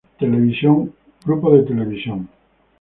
Television Group.